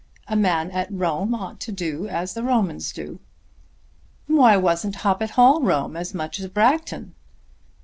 A man at Rome ought to do as the Romans do." "Why wasn't Hoppet Hall Rome as much as Bragton?"